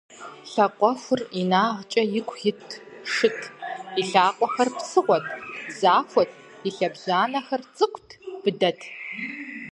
Лъакъуэхур инагъкӀэ ику ит шыт: и лъакъуэхэр псыгъуэт, захуэт, и лъэбжьанэхэр цӀыкӀут, быдэт.